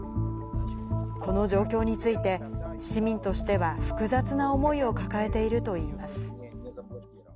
この状況について、市民としては複雑な思いを抱えているといいます。